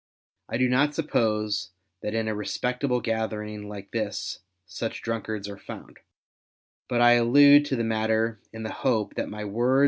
I do not suppose that in a respectable gathering like this such drunkards are found, but I allude to the matter in the hope that my words r.